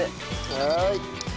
はい。